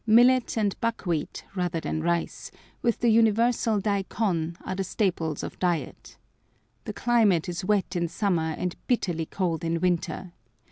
Millet and buckwheat rather than rice, with the universal daikon, are the staples of diet The climate is wet in summer and bitterly cold in winter.